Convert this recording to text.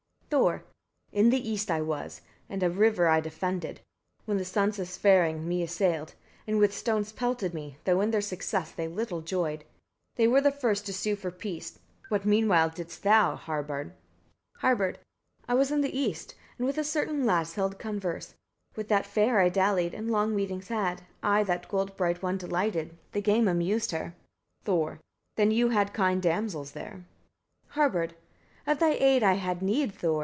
Thor. 39. In the east I was, and a river I defended, when the sons of Svarang me assailed, and with stones pelted me, though in their success they little joyed: they were the first to sue for peace. What meanwhile didst thou, Harbard? Harbard. 30. I was in the east, and with a certain lass held converse; with that fair I dallied, and long meetings had. I that gold bright one delighted; the game amused her. Thor. 31. Then you had kind damsels there? Harbard. 32. Of thy aid I had need, Thor!